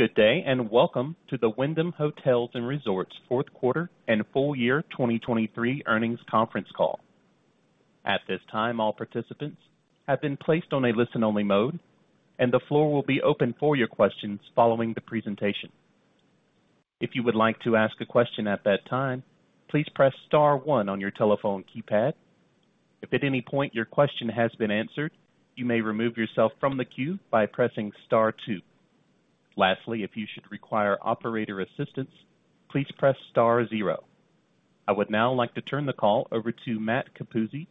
Good day and welcome to the Wyndham Hotels & Resorts fourth quarter and full year 2023 earnings conference call. At this time, all participants have been placed on a listen-only mode, and the floor will be open for your questions following the presentation. If you would like to ask a question at that time, please press star one on your telephone keypad. If at any point your question has been answered, you may remove yourself from the queue by pressing star two. Lastly, if you should require operator assistance, please press star zero. I would now like to turn the call over to Matt Capuzzi,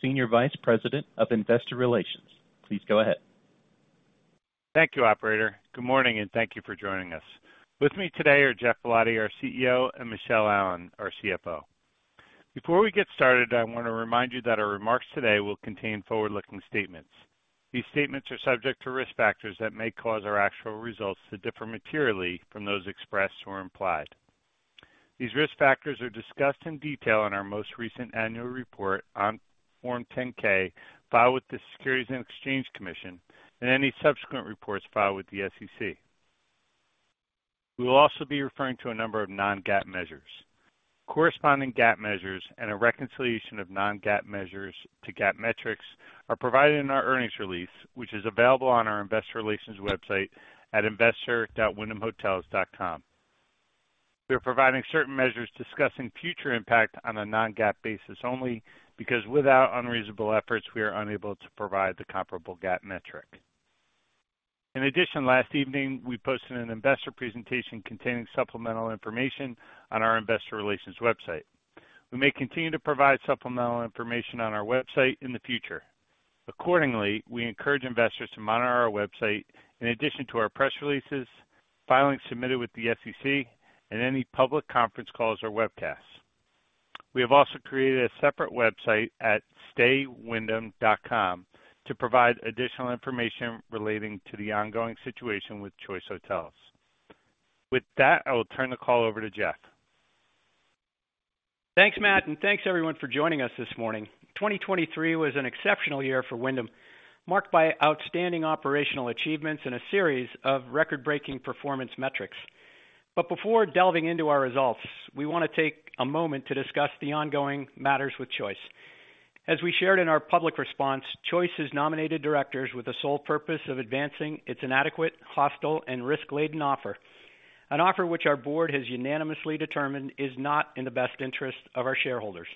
Senior Vice President of Investor Relations. Please go ahead. Thank you, operator. Good morning, and thank you for joining us. With me today are Geoff Ballotti, our CEO, and Michele Allen, our CFO. Before we get started, I want to remind you that our remarks today will contain forward-looking statements. These statements are subject to risk factors that may cause our actual results to differ materially from those expressed or implied. These risk factors are discussed in detail in our most recent annual report on Form 10-K filed with the Securities and Exchange Commission and any subsequent reports filed with the SEC. We will also be referring to a number of non-GAAP measures. Corresponding GAAP measures and a reconciliation of non-GAAP measures to GAAP metrics are provided in our earnings release, which is available on our Investor Relations website at investor.wyndhamhotels.com. We are providing certain measures discussing future impact on a non-GAAP basis only because without unreasonable efforts, we are unable to provide the comparable GAAP metric. In addition, last evening, we posted an investor presentation containing supplemental information on our Investor Relations website. We may continue to provide supplemental information on our website in the future. Accordingly, we encourage investors to monitor our website in addition to our press releases, filings submitted with the SEC, and any public conference calls or webcasts. We have also created a separate website at staywyndham.com to provide additional information relating to the ongoing situation with Choice Hotels. With that, I will turn the call over to Geoff. Thanks, Matt, and thanks everyone for joining us this morning. 2023 was an exceptional year for Wyndham, marked by outstanding operational achievements and a series of record-breaking performance metrics. But before delving into our results, we want to take a moment to discuss the ongoing matters with Choice. As we shared in our public response, Choice has nominated directors with the sole purpose of advancing its inadequate, hostile, and risk-laden offer, an offer which our board has unanimously determined is not in the best interest of our shareholders.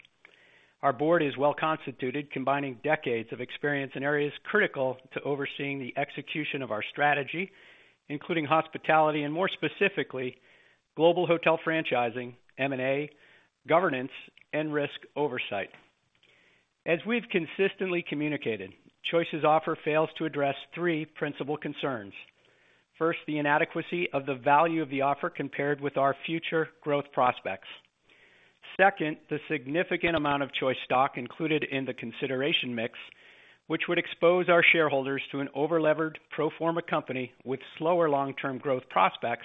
Our board is well-constituted, combining decades of experience in areas critical to overseeing the execution of our strategy, including hospitality and more specifically, global hotel franchising, M&A, governance, and risk oversight. As we've consistently communicated, Choice's offer fails to address three principal concerns. First, the inadequacy of the value of the offer compared with our future growth prospects. Second, the significant amount of Choice stock included in the consideration mix, which would expose our shareholders to an over-leveraged pro forma company with slower long-term growth prospects.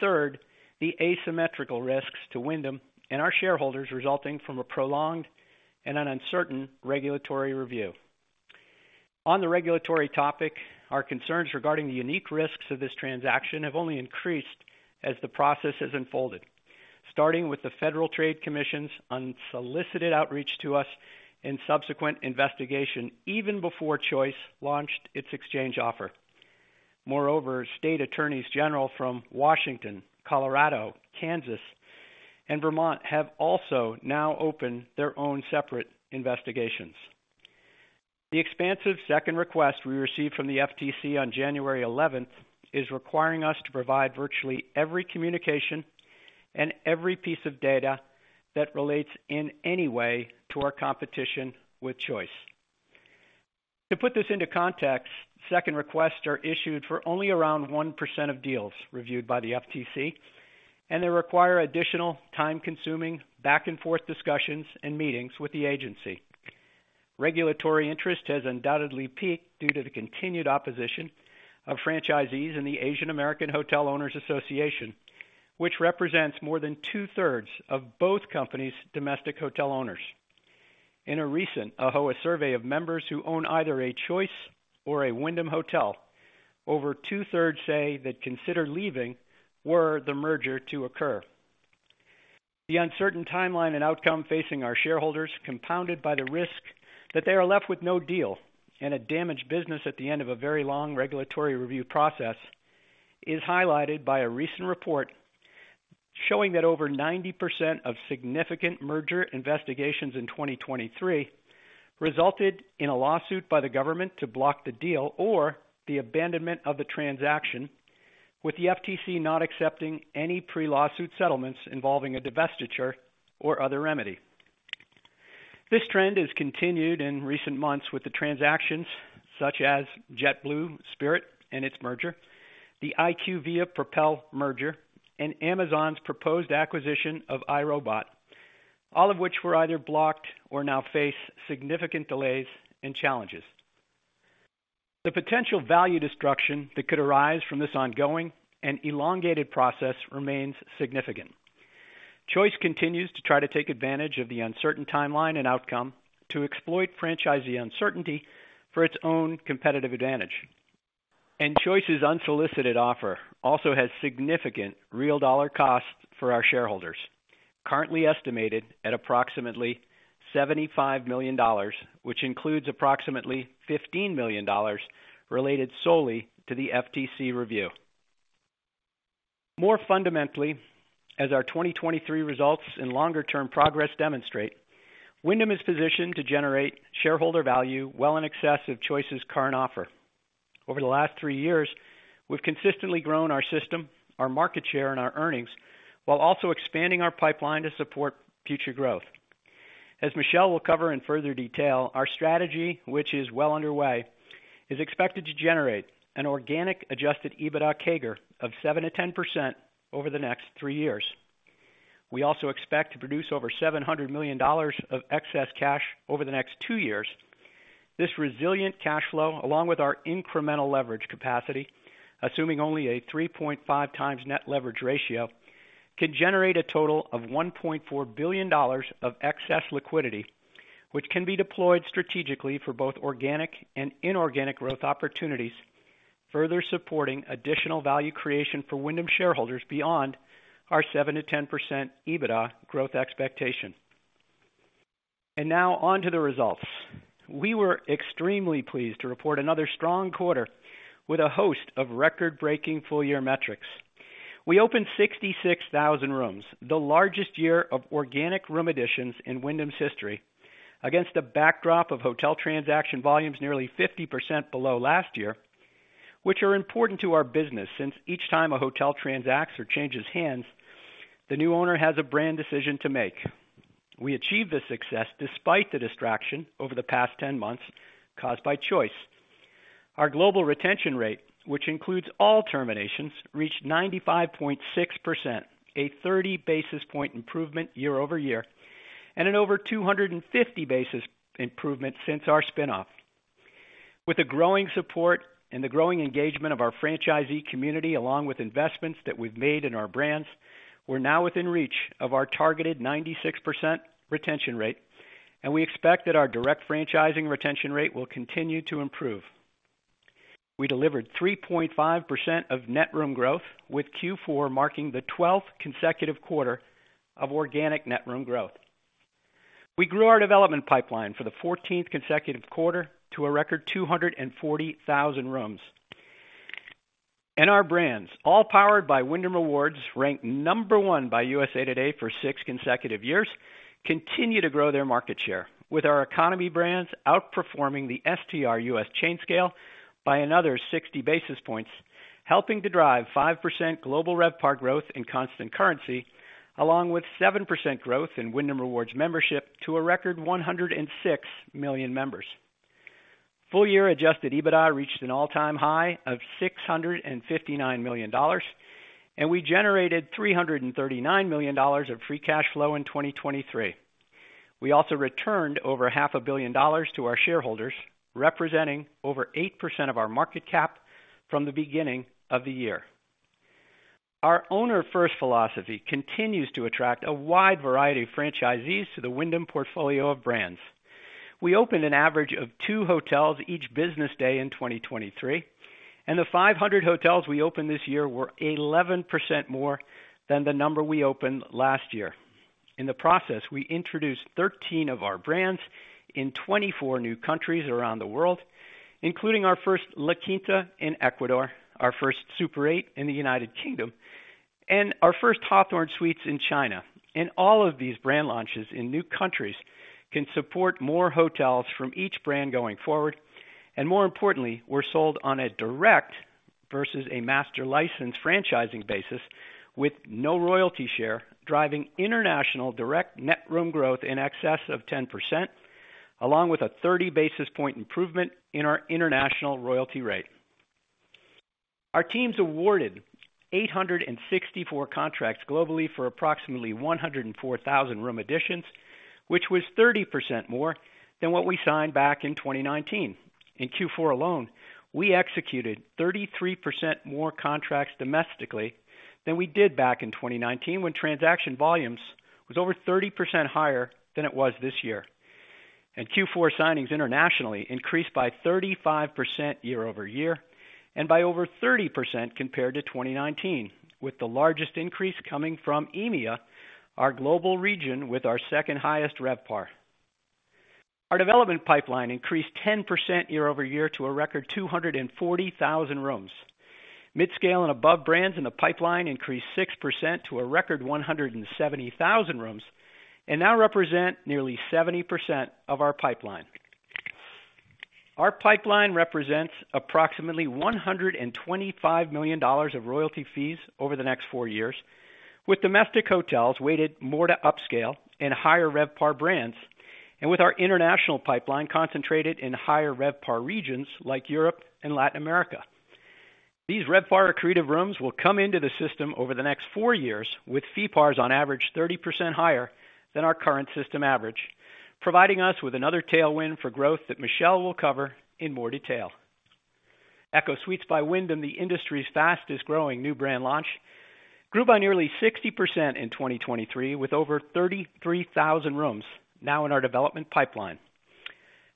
Third, the asymmetrical risks to Wyndham and our shareholders resulting from a prolonged and uncertain regulatory review. On the regulatory topic, our concerns regarding the unique risks of this transaction have only increased as the process has unfolded, starting with the Federal Trade Commission's unsolicited outreach to us and subsequent investigation even before Choice launched its exchange offer. Moreover, state attorneys general from Washington, Colorado, Kansas, and Vermont have also now opened their own separate investigations. The expansive second request we received from the FTC on January 11th is requiring us to provide virtually every communication and every piece of data that relates in any way to our competition with Choice. To put this into context, second requests are issued for only around 1% of deals reviewed by the FTC, and they require additional time-consuming back-and-forth discussions and meetings with the agency. Regulatory interest has undoubtedly peaked due to the continued opposition of franchisees in the Asian American Hotel Owners Association, which represents more than two-thirds of both companies' domestic hotel owners. In a recent AAHOA survey of members who own either a Choice or a Wyndham hotel, over two-thirds say that consider leaving were the merger to occur. The uncertain timeline and outcome facing our shareholders, compounded by the risk that they are left with no deal and a damaged business at the end of a very long regulatory review process, is highlighted by a recent report showing that over 90% of significant merger investigations in 2023 resulted in a lawsuit by the government to block the deal or the abandonment of the transaction, with the FTC not accepting any pre-lawsuit settlements involving a divestiture or other remedy. This trend has continued in recent months with the transactions such as JetBlue-Spirit merger, the IQVIA-Propel merger, and Amazon's proposed acquisition of iRobot, all of which were either blocked or now face significant delays and challenges. The potential value destruction that could arise from this ongoing and elongated process remains significant. Choice continues to try to take advantage of the uncertain timeline and outcome to exploit franchisee uncertainty for its own competitive advantage. Choice's unsolicited offer also has significant real-dollar costs for our shareholders, currently estimated at approximately $75 million, which includes approximately $15 million related solely to the FTC review. More fundamentally, as our 2023 results and longer-term progress demonstrate, Wyndham is positioned to generate shareholder value well in excess of Choice's current offer. Over the last three years, we've consistently grown our system, our market share, and our earnings while also expanding our pipeline to support future growth. As Michele will cover in further detail, our strategy, which is well underway, is expected to generate an organic Adjusted EBITDA CAGR of 7%-10% over the next three years. We also expect to produce over $700 million of excess cash over the next two years. This resilient cash flow, along with our incremental leverage capacity, assuming only a 3.5x net leverage ratio, can generate a total of $1.4 billion of excess liquidity, which can be deployed strategically for both organic and inorganic growth opportunities, further supporting additional value creation for Wyndham shareholders beyond our 7%-10% EBITDA growth expectation. Now onto the results. We were extremely pleased to report another strong quarter with a host of record-breaking full-year metrics. We opened 66,000 rooms, the largest year of organic room additions in Wyndham's history, against a backdrop of hotel transaction volumes nearly 50% below last year, which are important to our business since each time a hotel transacts or changes hands, the new owner has a brand decision to make. We achieved this success despite the distraction over the past 10 months caused by Choice. Our global retention rate, which includes all terminations, reached 95.6%, a 30 basis point improvement year-over-year, and an over 250 basis point improvement since our spinoff. With the growing support and the growing engagement of our franchisee community, along with investments that we've made in our brands, we're now within reach of our targeted 96% retention rate, and we expect that our direct franchising retention rate will continue to improve. We delivered 3.5% of net room growth, with Q4 marking the 12th consecutive quarter of organic net room growth. We grew our development pipeline for the 14th consecutive quarter to a record 240,000 rooms. Our brands, all powered by Wyndham Rewards, ranked number one by USA Today for six consecutive years, continue to grow their market share, with our economy brands outperforming the STR US chain scale by another 60 basis points, helping to drive 5% global RevPAR growth in constant currency, along with 7% growth in Wyndham Rewards membership to a record 106 million members. Full-year Adjusted EBITDA reached an all-time high of $659 million, and we generated $339 million of free cash flow in 2023. We also returned over $500 million to our shareholders, representing over 8% of our market cap from the beginning of the year. Our owner-first philosophy continues to attract a wide variety of franchisees to the Wyndham portfolio of brands. We opened an average of two hotels each business day in 2023, and the 500 hotels we opened this year were 11% more than the number we opened last year. In the process, we introduced 13 of our brands in 24 new countries around the world, including our first La Quinta in Ecuador, our first Super 8 in the United Kingdom, and our first Hawthorn Suites in China. All of these brand launches in new countries can support more hotels from each brand going forward. More importantly, we're sold on a direct versus a master license franchising basis with no royalty share, driving international direct net room growth in excess of 10%, along with a 30 basis point improvement in our international royalty rate. Our team's awarded 864 contracts globally for approximately 104,000 room additions, which was 30% more than what we signed back in 2019. In Q4 alone, we executed 33% more contracts domestically than we did back in 2019, when transaction volumes were over 30% higher than it was this year. Q4 signings internationally increased by 35% year-over-year and by over 30% compared to 2019, with the largest increase coming from EMEA, our global region with our second highest RevPAR. Our development pipeline increased 10% year-over-year to a record 240,000 rooms. Midscale and above brands in the pipeline increased 6% to a record 170,000 rooms and now represent nearly 70% of our pipeline. Our pipeline represents approximately $125 million of royalty fees over the next four years, with domestic hotels weighted more to upscale and higher RevPAR brands, and with our international pipeline concentrated in higher RevPAR regions like Europe and Latin America. These RevPAR-accretive rooms will come into the system over the next 4 years, with FeePARs on average 30% higher than our current system average, providing us with another tailwind for growth that Michele will cover in more detail. ECHO Suites by Wyndham, the industry's fastest-growing new brand launch, grew by nearly 60% in 2023, with over 33,000 rooms now in our development pipeline.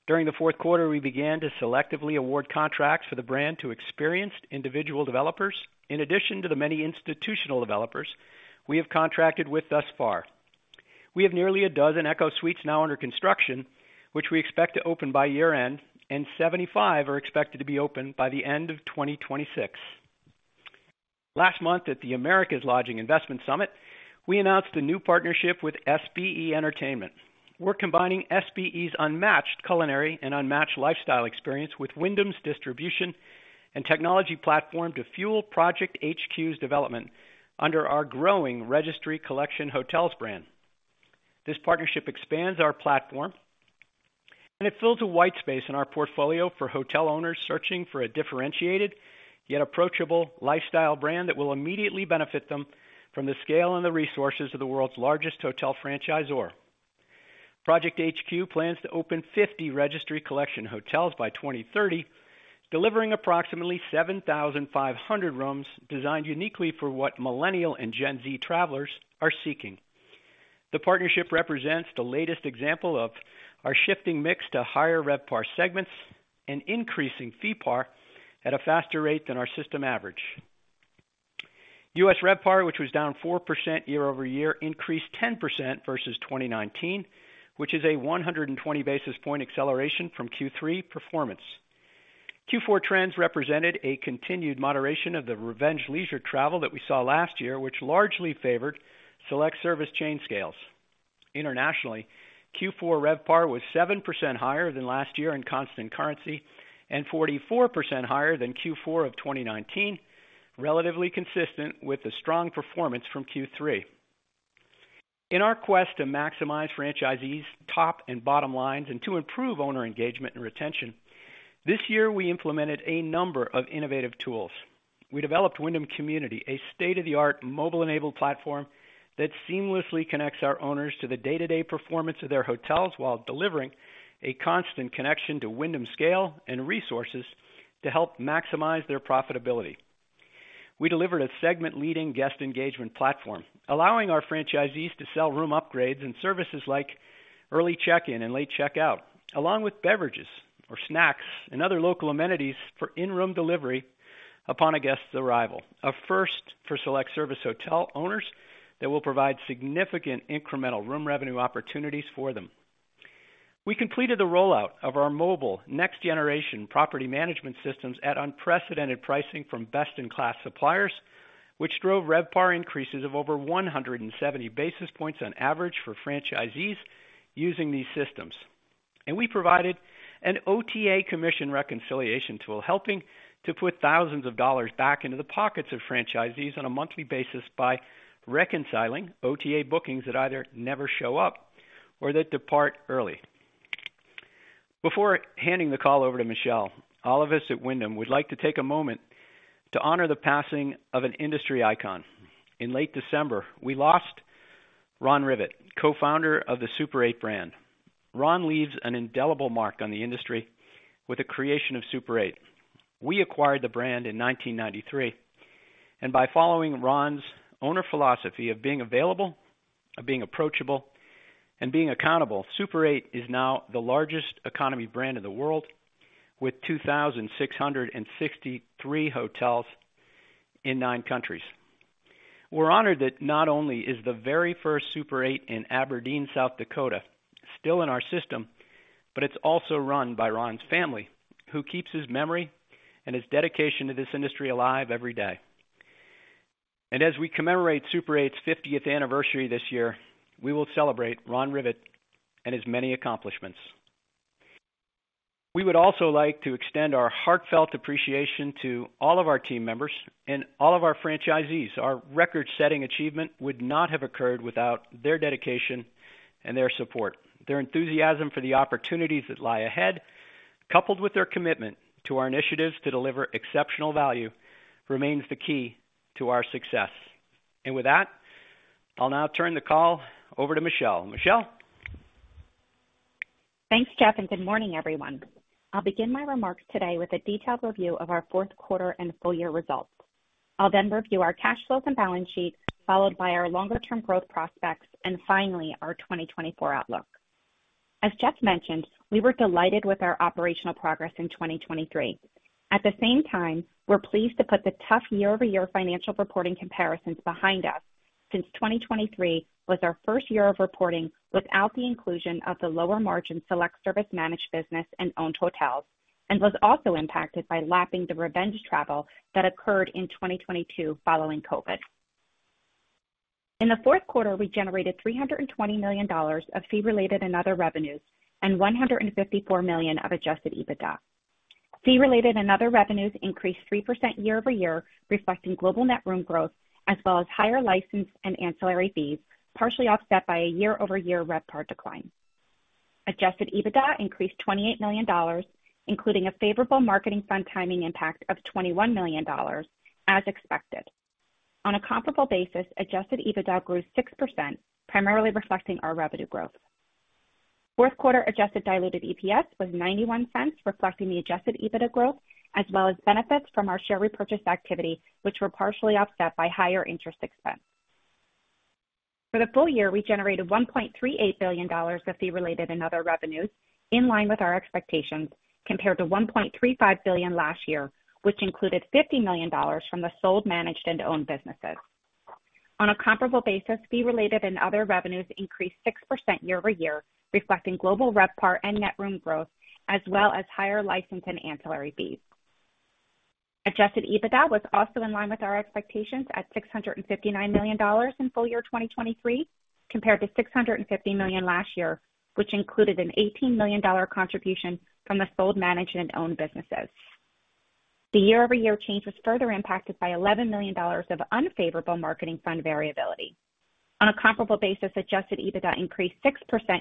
During the fourth quarter, we began to selectively award contracts for the brand to experienced individual developers. In addition to the many institutional developers we have contracted with thus far, we have nearly a dozen ECHO Suites now under construction, which we expect to open by year-end, and 75 are expected to be open by the end of 2026. Last month, at the Americas Lodging Investment Summit, we announced a new partnership with SBE Entertainment. We're combining SBE's unmatched culinary and unmatched lifestyle experience with Wyndham's distribution and technology platform to fuel Project HQ's development under our growing Registry Collection Hotels brand. This partnership expands our platform, and it fills a white space in our portfolio for hotel owners searching for a differentiated yet approachable lifestyle brand that will immediately benefit them from the scale and the resources of the world's largest hotel franchisor. Project HQ plans to open 50 Registry Collection Hotels by 2030, delivering approximately 7,500 rooms designed uniquely for what millennial and Gen Z travelers are seeking. The partnership represents the latest example of our shifting mix to higher RevPAR segments and increasing FeePAR at a faster rate than our system average. US RevPAR, which was down 4% year-over-year, increased 10% versus 2019, which is a 120 basis point acceleration from Q3 performance. Q4 trends represented a continued moderation of the revenge leisure travel that we saw last year, which largely favored select service chain scales. Internationally, Q4 RevPAR was 7% higher than last year in constant currency and 44% higher than Q4 of 2019, relatively consistent with the strong performance from Q3. In our quest to maximize franchisees' top and bottom lines and to improve owner engagement and retention, this year we implemented a number of innovative tools. We developed Wyndham Community, a state-of-the-art mobile-enabled platform that seamlessly connects our owners to the day-to-day performance of their hotels while delivering a constant connection to Wyndham scale and resources to help maximize their profitability. We delivered a segment-leading guest engagement platform, allowing our franchisees to sell room upgrades and services like early check-in and late check-out, along with beverages or snacks and other local amenities for in-room delivery upon a guest's arrival, a first for select service hotel owners that will provide significant incremental room revenue opportunities for them. We completed the rollout of our Mobile Next-Generation Property Management Systems at unprecedented pricing from best-in-class suppliers, which drove RevPAR increases of over 170 basis points on average for franchisees using these systems. We provided an OTA commission reconciliation tool, helping to put $thousands back into the pockets of franchisees on a monthly basis by reconciling OTA bookings that either never show up or that depart early. Before handing the call over to Michele, all of us at Wyndham would like to take a moment to honor the passing of an industry icon. In late December, we lost Ron Rivett, co-founder of the Super 8 brand. Ron leaves an indelible mark on the industry with the creation of Super 8. We acquired the brand in 1993. By following Ron's owner philosophy of being available, of being approachable, and being accountable, Super 8 is now the largest economy brand in the world, with 2,663 hotels in nine countries. We're honored that not only is the very first Super 8 in Aberdeen, South Dakota, still in our system, but it's also run by Ron's family, who keeps his memory and his dedication to this industry alive every day. As we commemorate Super 8's 50th anniversary this year, we will celebrate Ron Rivett and his many accomplishments. We would also like to extend our heartfelt appreciation to all of our team members and all of our franchisees. Our record-setting achievement would not have occurred without their dedication and their support. Their enthusiasm for the opportunities that lie ahead, coupled with their commitment to our initiatives to deliver exceptional value, remains the key to our success. And with that, I'll now turn the call over to Michele. Michele. Thanks, Geoff, and good morning, everyone. I'll begin my remarks today with a detailed review of our fourth quarter and full-year results. I'll then review our cash flows and balance sheet, followed by our longer-term growth prospects, and finally, our 2024 outlook. As Geoff mentioned, we were delighted with our operational progress in 2023. At the same time, we're pleased to put the tough year-over-year financial reporting comparisons behind us, since 2023 was our first year of reporting without the inclusion of the lower-margin select service managed business and owned hotels, and was also impacted by lapping the revenge travel that occurred in 2022 following COVID. In the fourth quarter, we generated $320 million of fee-related and other revenues and $154 million of Adjusted EBITDA. Fee-related and other revenues increased 3% year-over-year, reflecting global net room growth, as well as higher license and ancillary fees, partially offset by a year-over-year RevPAR decline. Adjusted EBITDA increased $28 million, including a favorable marketing fund timing impact of $21 million, as expected. On a comparable basis, Adjusted EBITDA grew 6%, primarily reflecting our revenue growth. Fourth quarter Adjusted diluted EPS was $0.91, reflecting the Adjusted EBITDA growth, as well as benefits from our share repurchase activity, which were partially offset by higher interest expense. For the full year, we generated $1.38 billion of fee-related and other revenues, in line with our expectations, compared to $1.35 billion last year, which included $50 million from the sold managed and owned businesses. On a comparable basis, fee-related and other revenues increased 6% year-over-year, reflecting global RevPAR and net room growth, as well as higher license and ancillary fees. Adjusted EBITDA was also in line with our expectations at $659 million in full year 2023, compared to $650 million last year, which included an $18 million contribution from the sold managed and owned businesses. The year-over-year change was further impacted by $11 million of unfavorable marketing fund variability. On a comparable basis, Adjusted EBITDA increased 6%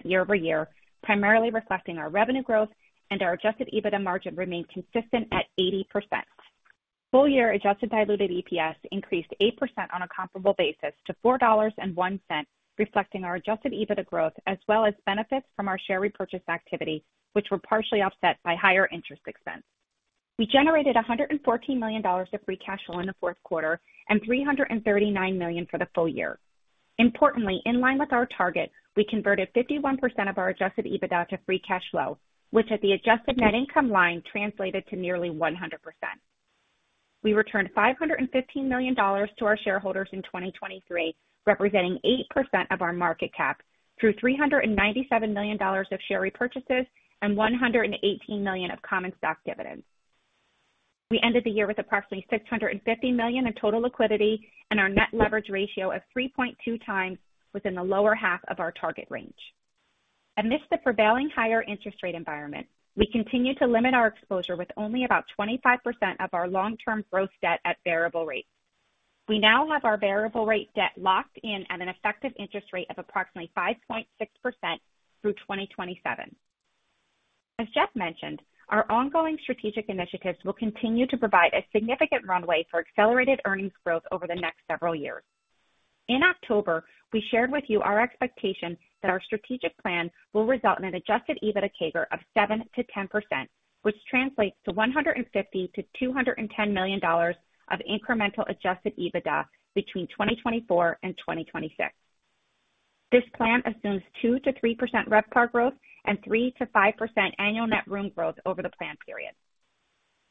year-over-year, primarily reflecting our revenue growth, and our Adjusted EBITDA margin remained consistent at 80%. Full year adjusted diluted EPS increased 8% on a comparable basis to $4.01, reflecting our Adjusted EBITDA growth, as well as benefits from our share repurchase activity, which were partially offset by higher interest expense. We generated $114 million of free cash flow in the fourth quarter and $339 million for the full year. Importantly, in line with our target, we converted 51% of our Adjusted EBITDA to free cash flow, which at the adjusted net income line translated to nearly 100%. We returned $515 million to our shareholders in 2023, representing 8% of our market cap, through $397 million of share repurchases and $118 million of common stock dividends. We ended the year with approximately $650 million in total liquidity and our net leverage ratio of 3.2 times within the lower half of our target range. Amidst the prevailing higher interest rate environment, we continue to limit our exposure with only about 25% of our long-term growth debt at variable rates. We now have our variable rate debt locked in at an effective interest rate of approximately 5.6% through 2027. As Geoff mentioned, our ongoing strategic initiatives will continue to provide a significant runway for accelerated earnings growth over the next several years. In October, we shared with you our expectation that our strategic plan will result in an Adjusted EBITDA CAGR of 7%-10%, which translates to $150 million-$210 million of incremental Adjusted EBITDA between 2024 and 2026. This plan assumes 2%-3% RevPAR growth and 3%-5% annual net room growth over the planned period.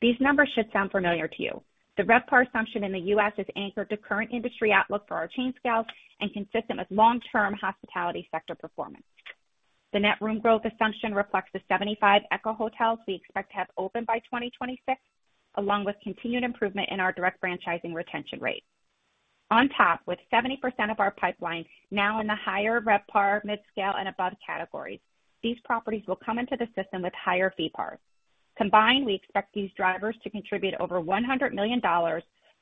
These numbers should sound familiar to you. The RevPAR assumption in the U.S. is anchored to current industry outlook for our chain scales and consistent with long-term hospitality sector performance. The net room growth assumption reflects the 75 ECHO Suites we expect to have open by 2026, along with continued improvement in our direct franchising retention rate. On top, with 70% of our pipeline now in the higher RevPAR, mid-scale, and above categories, these properties will come into the system with higher FeePARs. Combined, we expect these drivers to contribute over $100 million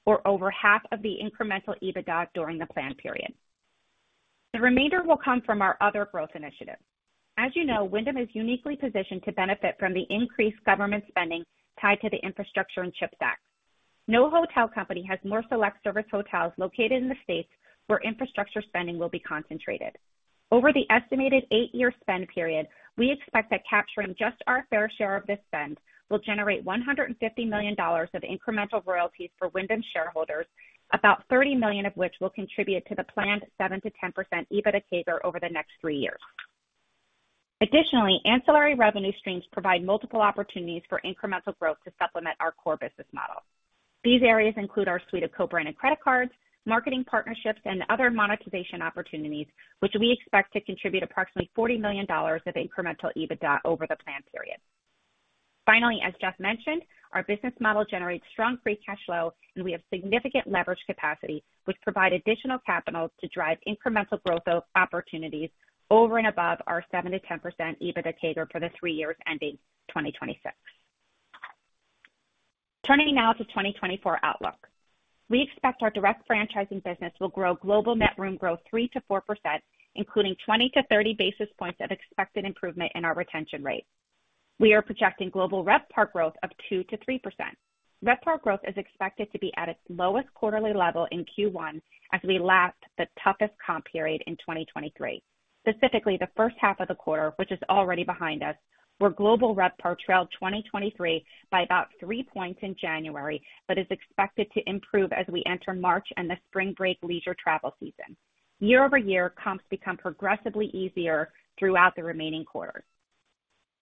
or over half of the incremental EBITDA during the planned period. The remainder will come from our other growth initiatives. As you know, Wyndham is uniquely positioned to benefit from the increased government spending tied to the infrastructure and CHIPS Act. No hotel company has more select service hotels located in the states where infrastructure spending will be concentrated. Over the estimated 8-year spend period, we expect that capturing just our fair share of this spend will generate $150 million of incremental royalties for Wyndham shareholders, about $30 million of which will contribute to the planned 7%-10% EBITDA CAGR over the next 3 years. Additionally, ancillary revenue streams provide multiple opportunities for incremental growth to supplement our core business model. These areas include our suite of co-branded credit cards, marketing partnerships, and other monetization opportunities, which we expect to contribute approximately $40 million of incremental EBITDA over the planned period. Finally, as Geoff mentioned, our business model generates strong free cash flow, and we have significant leverage capacity, which provide additional capital to drive incremental growth opportunities over and above our 7%-10% EBITDA CAGR for the three years ending 2026. Turning now to 2024 outlook. We expect our direct franchising business will grow global net room growth 3%-4%, including 20 to 30 basis points of expected improvement in our retention rate. We are projecting global RevPAR growth of 2%-3%. RevPAR growth is expected to be at its lowest quarterly level in Q1 as we lap the toughest comp period in 2023. Specifically, the first half of the quarter, which is already behind us, where global RevPAR trailed 2023 by about three points in January, but is expected to improve as we enter March and the spring break leisure travel season. Year-over-year, comps become progressively easier throughout the remaining quarters.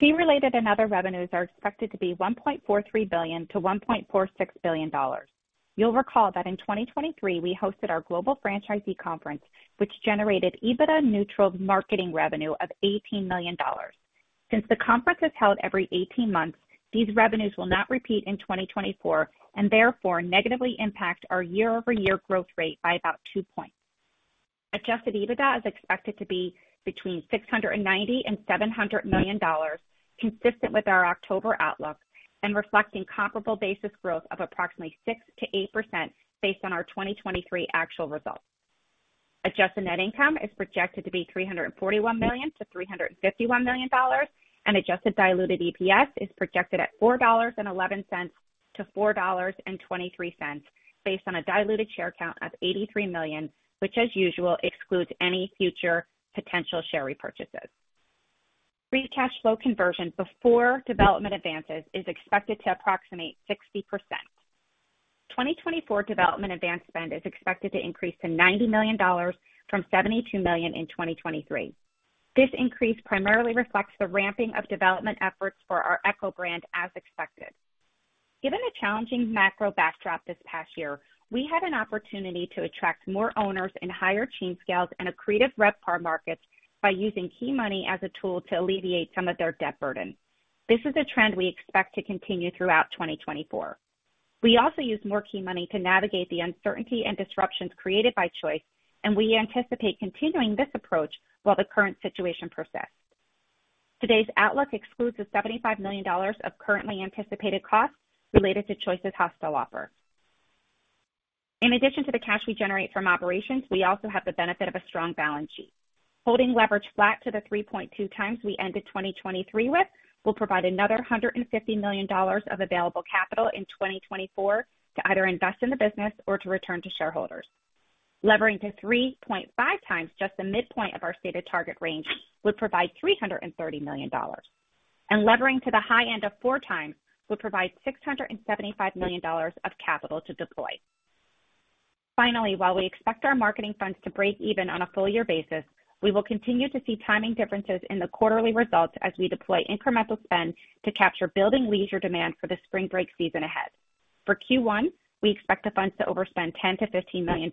Fee-related and other revenues are expected to be $1.43 billion-$1.46 billion. You'll recall that in 2023, we hosted our global franchisee conference, which generated EBITDA-neutral marketing revenue of $18 million. Since the conference is held every 18 months, these revenues will not repeat in 2024 and therefore negatively impact our year-over-year growth rate by about two points. Adjusted EBITDA is expected to be between $690-$700 million, consistent with our October outlook and reflecting comparable basis growth of approximately 6%-8% based on our 2023 actual results. Adjusted net income is projected to be $341-$351 million, and adjusted diluted EPS is projected at $4.11-$4.23 based on a diluted share count of 83 million, which, as usual, excludes any future potential share repurchases. Free cash flow conversion before development advances is expected to approximate 60%. 2024 development advance spend is expected to increase to $90 million from $72 million in 2023. This increase primarily reflects the ramping of development efforts for our ECHO brand as expected. Given the challenging macro backdrop this past year, we had an opportunity to attract more owners in higher chain scales and a creative RevPAR market by using key money as a tool to alleviate some of their debt burden. This is a trend we expect to continue throughout 2024. We also use more key money to navigate the uncertainty and disruptions created by Choice, and we anticipate continuing this approach while the current situation persists. Today's outlook excludes the $75 million of currently anticipated costs related to Choice's hostile offer. In addition to the cash we generate from operations, we also have the benefit of a strong balance sheet. Holding leverage flat to the 3.2 times we ended 2023 with will provide another $150 million of available capital in 2024 to either invest in the business or to return to shareholders. Leveraging to 3.5 times just the midpoint of our stated target range would provide $330 million. Leveraging to the high end of four times would provide $675 million of capital to deploy. Finally, while we expect our marketing funds to break even on a full-year basis, we will continue to see timing differences in the quarterly results as we deploy incremental spend to capture building leisure demand for the spring break season ahead. For Q1, we expect the funds to overspend $10-$15 million,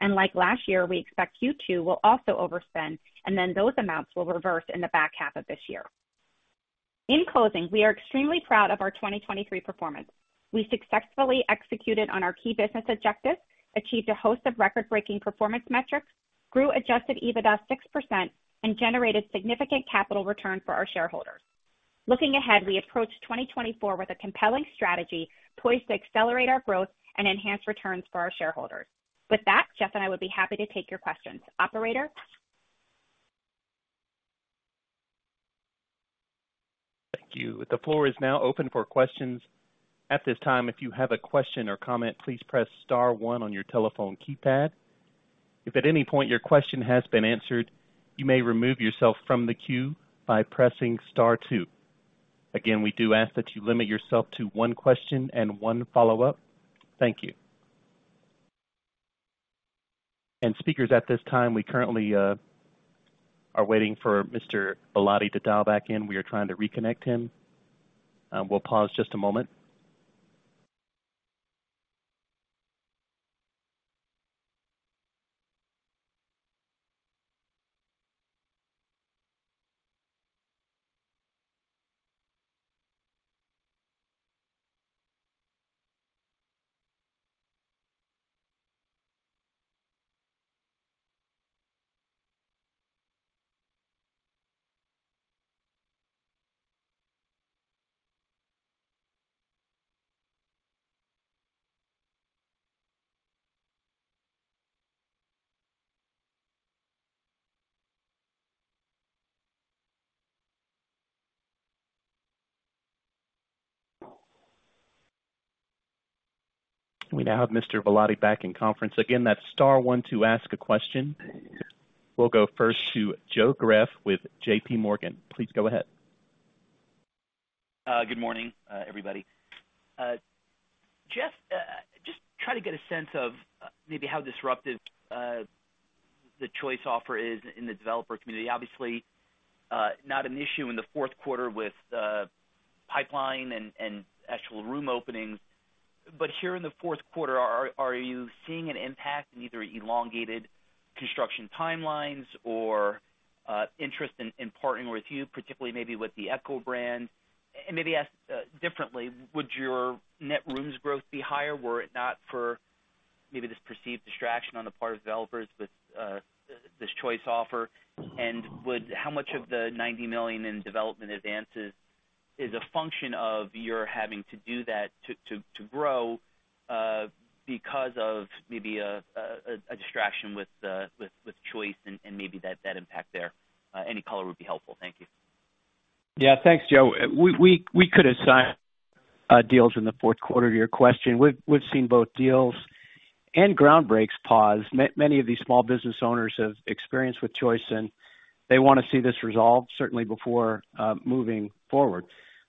and like last year, we expect Q2 will also overspend, and then those amounts will reverse in the back half of this year. In closing, we are extremely proud of our 2023 performance. We successfully executed on our key business objectives, achieved a host of record-breaking performance metrics, grew Adjusted EBITDA 6%, and generated significant capital return for our shareholders. Looking ahead, we approach 2024 with a compelling strategy poised to accelerate our growth and enhance returns for our shareholders. With that, Geoff and I would be happy to take your questions. Operator. Thank you. The floor is now open for questions. At this time, if you have a question or comment, please press star one on your telephone keypad. If at any point your question has been answered, you may remove yourself from the queue by pressing star two. Again, we do ask that you limit yourself to one question and one follow-up. Thank you. And speakers, at this time, we currently are waiting for Mr. Ballotti to dial back in. We are trying to reconnect him. We'll pause just a moment. We now have Mr. Ballotti back in conference. Again, that star one to ask a question. We'll go first to Joe Greff with J.P. Morgan. Please go ahead. Good morning, everybody. Geoff, just try to get a sense of maybe how disruptive the Choice offer is in the developer community. Obviously, not an issue in the fourth quarter with the pipeline and actual room openings, but here in the fourth quarter, are you seeing an impact in either elongated construction timelines or interest in partnering with you, particularly maybe with the ECHO brand? And maybe ask differently, would your net rooms growth be higher were it not for maybe this perceived distraction on the part of developers with this Choice offer? And how much of the $90 million in development advances is a function of your having to do that to grow because of maybe a distraction with Choice and maybe that impact there? Any color would be helpful. Thank you. Yeah, thanks, Joe. We could assign deals in the fourth quarter to your question. We've seen both deals and groundbreaks pause. Many of these small business owners have experience with Choice, and they want to see this resolved, certainly before moving forward.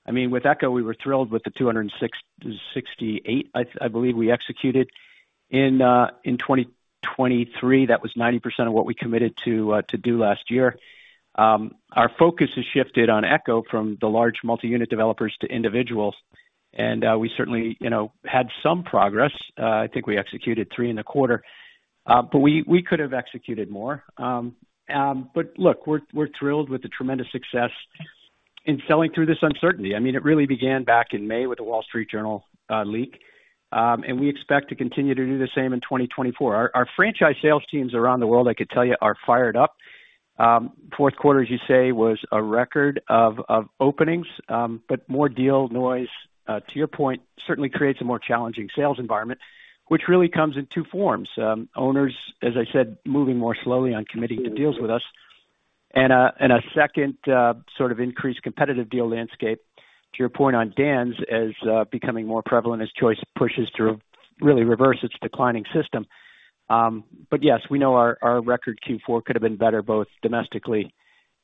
I mean, with ECHO, we were thrilled with the $268, I believe, we executed. In 2023, that was 90% of what we committed to do last year. Our focus has shifted on ECHO from the large multi-unit developers to individuals, and we certainly had some progress. I think we executed 3.25, but we could have executed more. But look, we're thrilled with the tremendous success in selling through this uncertainty. I mean, it really began back in May with a Wall Street Journal leak, and we expect to continue to do the same in 2024. Our franchise sales teams around the world, I could tell you, are fired up. Fourth quarter, as you say, was a record of openings, but more deal noise, to your point, certainly creates a more challenging sales environment, which really comes in two forms: owners, as I said, moving more slowly on committing to deals with us, and a second sort of increased competitive deal landscape, to your point, on brands as becoming more prevalent as Choice pushes to really reverse its declining system. But yes, we know our record Q4 could have been better both domestically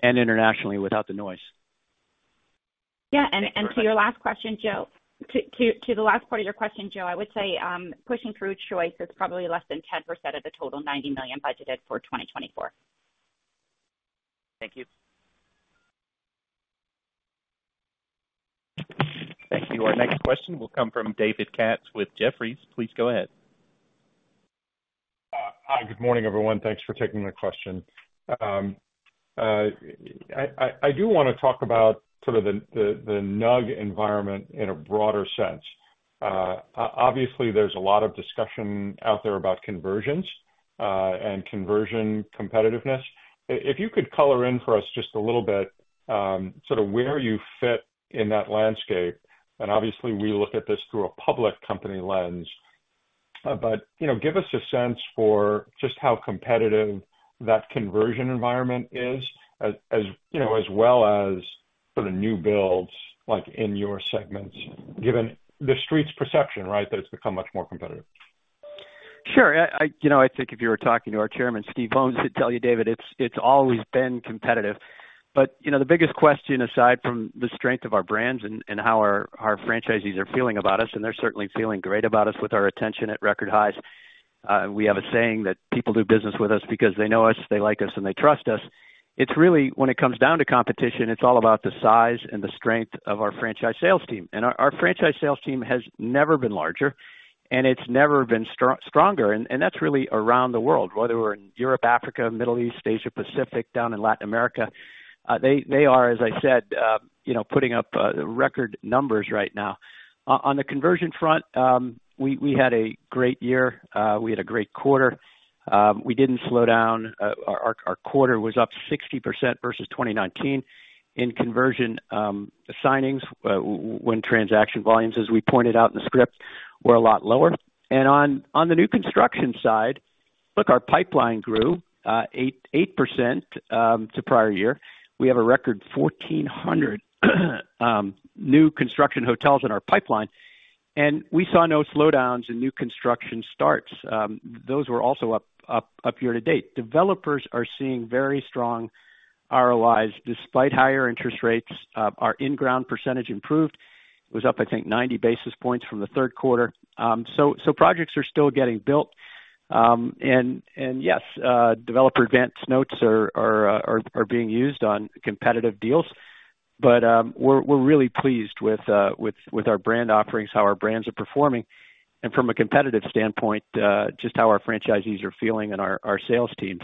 and internationally without the noise. Yeah, and to your last question, Joe, to the last part of your question, Joe, I would say pushing through Choice is probably less than 10% of the total $90 million budgeted for 2024. Thank you. Thank you. Our next question will come from David Katz with Jefferies. Please go ahead. Hi, good morning, everyone. Thanks for taking the question. I do want to talk about sort of the NUG environment in a broader sense. Obviously, there's a lot of discussion out there about conversions and conversion competitiveness. If you could color in for us just a little bit sort of where you fit in that landscape, and obviously, we look at this through a public company lens, but give us a sense for just how competitive that conversion environment is as well as sort of new builds in your segments, given the street's perception, right, that it's become much more competitive? Sure. I think if you were talking to our Chairman, Steve Holmes, he'd tell you, "David, it's always been competitive." But the biggest question, aside from the strength of our brands and how our franchisees are feeling about us, and they're certainly feeling great about us with our attention at record highs. We have a saying that people do business with us because they know us, they like us, and they trust us. It's really, when it comes down to competition, it's all about the size and the strength of our franchise sales team. And our franchise sales team has never been larger, and it's never been stronger, and that's really around the world, whether we're in Europe, Africa, Middle East, Asia, Pacific, down in Latin America. They are, as I said, putting up record numbers right now. On the conversion front, we had a great year. We had a great quarter. We didn't slow down. Our quarter was up 60% versus 2019. In conversion signings, when transaction volumes, as we pointed out in the script, were a lot lower. And on the new construction side, look, our pipeline grew 8% to prior year. We have a record 1,400 new construction hotels in our pipeline, and we saw no slowdowns in new construction starts. Those were also up year-to-date. Developers are seeing very strong ROIs despite higher interest rates. Our in-ground percentage improved. It was up, I think, 90 basis points from the third quarter. So projects are still getting built. And yes, developer advance notes are being used on competitive deals, but we're really pleased with our brand offerings, how our brands are performing, and from a competitive standpoint, just how our franchisees are feeling and our sales teams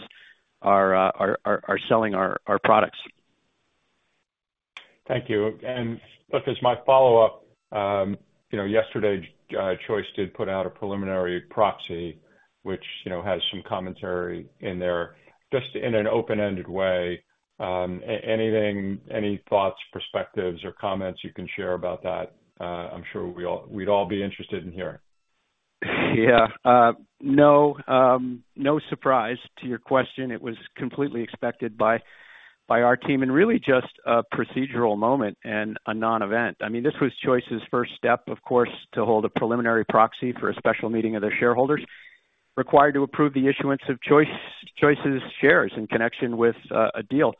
are selling our products. Thank you. Look, as my follow-up, yesterday, Choice did put out a preliminary proxy, which has some commentary in there. Just in an open-ended way, any thoughts, perspectives, or comments you can share about that, I'm sure we'd all be interested in hearing. Yeah. No, no surprise to your question. It was completely expected by our team and really just a procedural moment and a non-event. I mean, this was Choice's first step, of course, to hold a preliminary proxy for a special meeting of their shareholders required to approve the issuance of Choice's shares in connection with a deal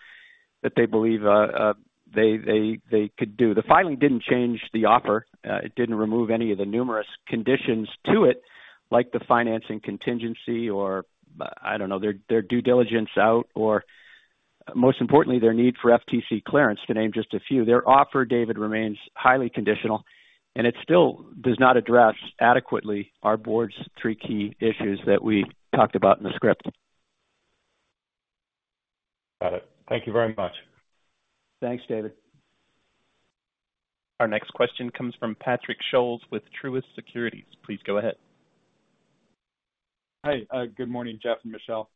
that they believe they could do. The filing didn't change the offer. It didn't remove any of the numerous conditions to it, like the financing contingency or, I don't know, their due diligence out or, most importantly, their need for FTC clearance, to name just a few. Their offer, David, remains highly conditional, and it still does not address adequately our board's three key issues that we talked about in the script. Got it. Thank you very much. Thanks, David. Our next question comes from Patrick Scholes with Truist Securities. Please go ahead. Hi. Good morning, Geoff and Michele.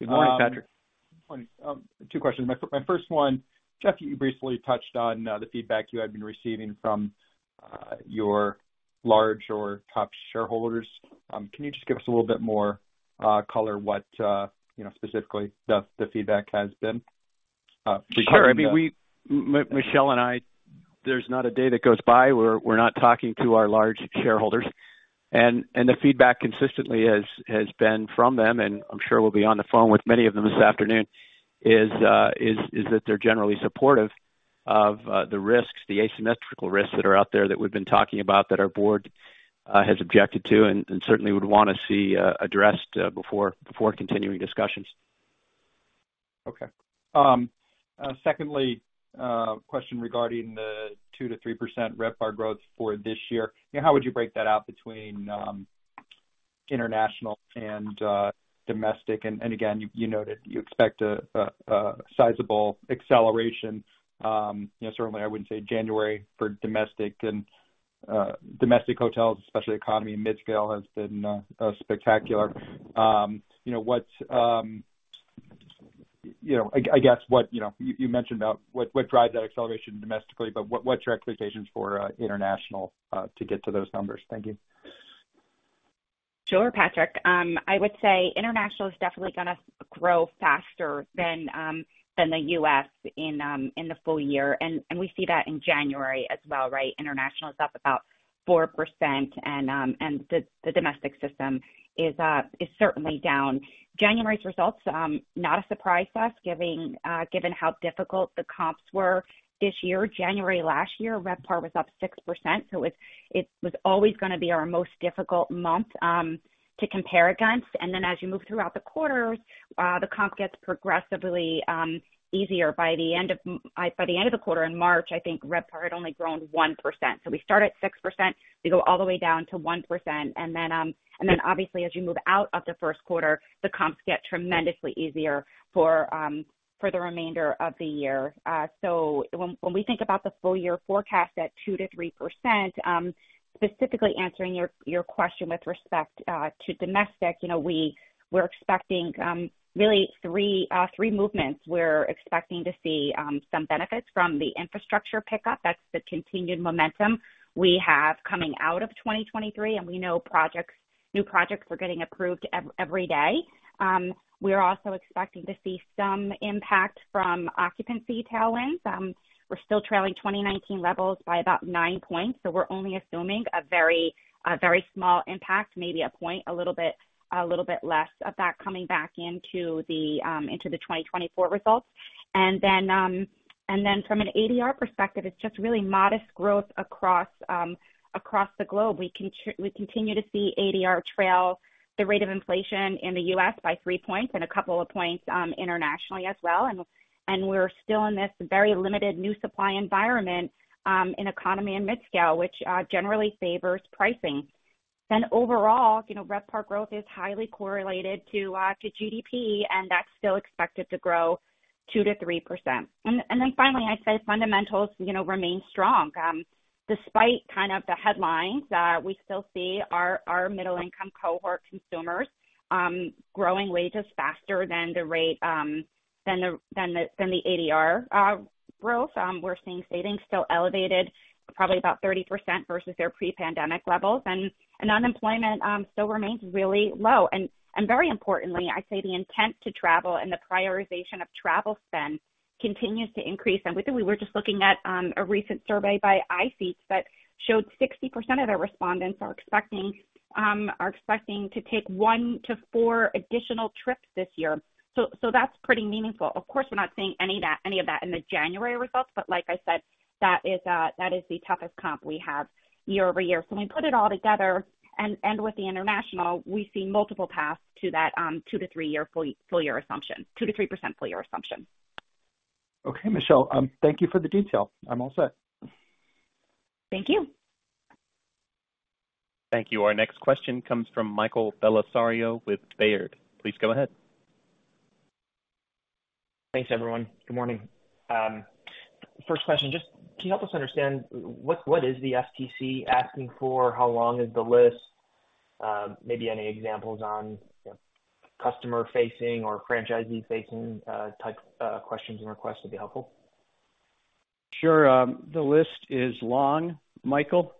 Good morning, Patrick. Good morning. Two questions. My first one, Geoff, you briefly touched on the feedback you had been receiving from your large or top shareholders. Can you just give us a little bit more color what specifically the feedback has been regarding that? Sure. I mean, Michele and I, there's not a day that goes by where we're not talking to our large shareholders. The feedback consistently has been from them, and I'm sure we'll be on the phone with many of them this afternoon, is that they're generally supportive of the risks, the asymmetrical risks that are out there that we've been talking about that our board has objected to and certainly would want to see addressed before continuing discussions. Okay. Secondly, question regarding the 2%-3% RevPAR growth for this year. How would you break that out between international and domestic? And again, you noted you expect a sizable acceleration. Certainly, I wouldn't say January for domestic hotels, especially economy and mid-scale, has been spectacular. I guess what you mentioned about what drives that acceleration domestically, but what's your expectations for international to get to those numbers? Thank you. Sure, Patrick. I would say international is definitely going to grow faster than the US in the full year. And we see that in January as well, right? International is up about 4%, and the domestic system is certainly down. January's results, not a surprise to us, given how difficult the comps were this year. January last year, RevPAR was up 6%. So it was always going to be our most difficult month to compare against. And then as you move throughout the quarters, the comp gets progressively easier. By the end of the quarter, in March, I think RevPAR had only grown 1%. So we start at 6%. We go all the way down to 1%. And then obviously, as you move out of the first quarter, the comps get tremendously easier for the remainder of the year. So when we think about the full-year forecast at 2%-3%, specifically answering your question with respect to domestic, we're expecting really three movements. We're expecting to see some benefits from the infrastructure pickup. That's the continued momentum we have coming out of 2023, and we know new projects are getting approved every day. We're also expecting to see some impact from occupancy tailwinds. We're still trailing 2019 levels by about nine points. So we're only assuming a very small impact, maybe a point, a little bit less of that coming back into the 2024 results. And then from an ADR perspective, it's just really modest growth across the globe. We continue to see ADR trail the rate of inflation in the U.S. by three points and a couple of points internationally as well. We're still in this very limited new supply environment in economy and mid-scale, which generally favors pricing. Overall, RevPAR growth is highly correlated to GDP, and that's still expected to grow 2%-3%. Finally, I'd say fundamentals remain strong. Despite kind of the headlines, we still see our middle-income cohort consumers growing wages faster than the rate than the ADR growth. We're seeing savings still elevated, probably about 30% versus their pre-pandemic levels. Unemployment still remains really low. Very importantly, I'd say the intent to travel and the prioritization of travel spend continues to increase. We were just looking at a recent survey by iSeatz that showed 60% of their respondents are expecting to take 1-4 additional trips this year. That's pretty meaningful. Of course, we're not seeing any of that in the January results, but like I said, that is the toughest comp we have year-over-year. So when we put it all together and with the international, we see multiple paths to that 2- to 3-year full-year assumption, 2%-3% full-year assumption. Okay, Michele, thank you for the detail. I'm all set. Thank you. Thank you. Our next question comes from Michael Bellisario with Baird. Please go ahead. Thanks, everyone. Good morning. First question, just can you help us understand what is the FTC asking for? How long is the list? Maybe any examples on customer-facing or franchisee-facing type questions and requests would be helpful. Sure. The list is long, Michael.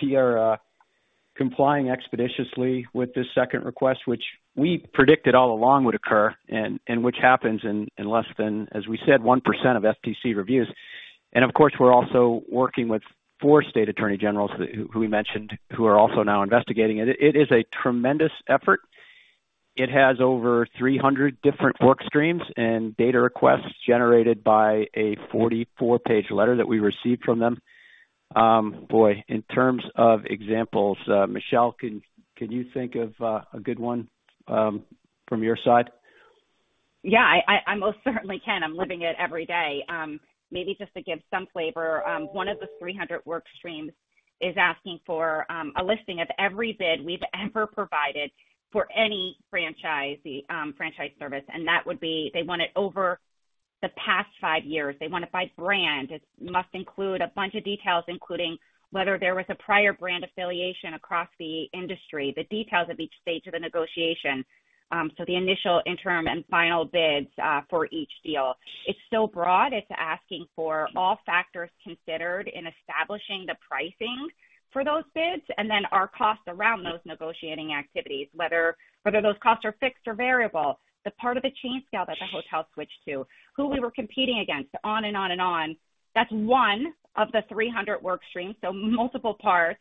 We are complying expeditiously with this second request, which we predicted all along would occur and which happens in less than, as we said, 1% of FTC reviews. And of course, we're also working with four state attorney generals who we mentioned who are also now investigating. It is a tremendous effort. It has over 300 different work streams and data requests generated by a 44-page letter that we received from them. Boy, in terms of examples, Michele, can you think of a good one from your side? Yeah, I most certainly can. I'm living it every day. Maybe just to give some flavor, one of the 300 work streams is asking for a listing of every bid we've ever provided for any franchise service. And that would be they want it over the past 5 years. They want it by brand. It must include a bunch of details, including whether there was a prior brand affiliation across the industry, the details of each stage of the negotiation, so the initial, interim, and final bids for each deal. It's so broad. It's asking for all factors considered in establishing the pricing for those bids and then our costs around those negotiating activities, whether those costs are fixed or variable, the part of the chain scale that the hotel switched to, who we were competing against, on and on and on. That's one of the 300 work streams, so multiple parts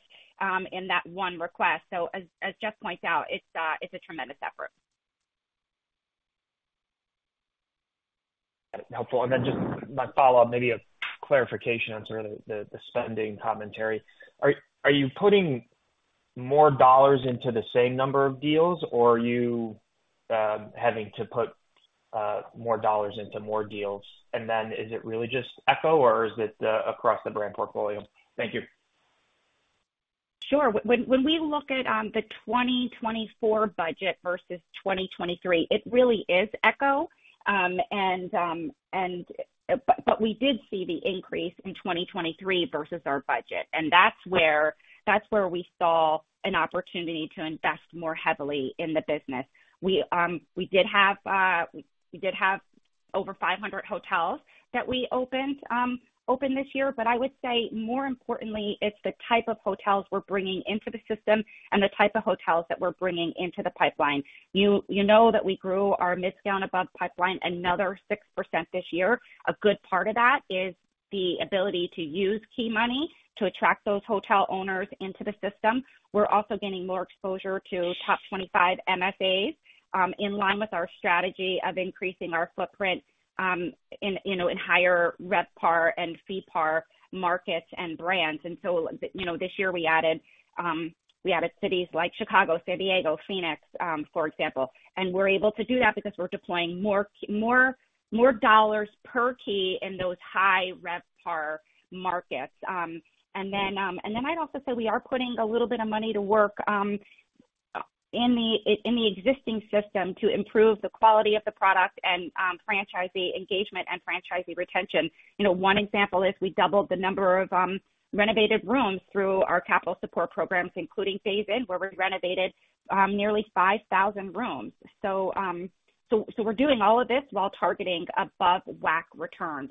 in that one request. So as Geoff pointed out, it's a tremendous effort. Helpful. And then just my follow-up, maybe a clarification on sort of the spending commentary. Are you putting more dollars into the same number of deals, or are you having to put more dollars into more deals? And then is it really just Echo, or is it across the brand portfolio? Thank you. Sure. When we look at the 2024 budget versus 2023, it really is ECHO. But we did see the increase in 2023 versus our budget. And that's where we saw an opportunity to invest more heavily in the business. We did have over 500 hotels that we opened this year. But I would say, more importantly, it's the type of hotels we're bringing into the system and the type of hotels that we're bringing into the pipeline. You know that we grew our midscale and above pipeline another 6% this year. A good part of that is the ability to use key money to attract those hotel owners into the system. We're also getting more exposure to top 25 MSAs in line with our strategy of increasing our footprint in higher RevPAR and FeePAR markets and brands. This year, we added cities like Chicago, San Diego, Phoenix, for example. We're able to do that because we're deploying more dollars per key in those high RevPAR markets. Then I'd also say we are putting a little bit of money to work in the existing system to improve the quality of the product and franchisee engagement and franchisee retention. One example is we doubled the number of renovated rooms through our capital support programs, including Days Inn, where we renovated nearly 5,000 rooms. We're doing all of this while targeting above WACC returns.